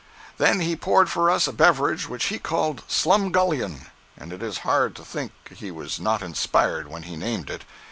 Then he poured for us a beverage which he called "Slumgullion," and it is hard to think he was not inspired when he named it.